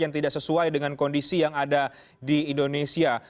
yang tidak sesuai dengan kondisi yang ada di indonesia